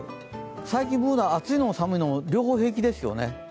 最近、Ｂｏｏｎａ、暑いのも寒いのも両方平気ですよね。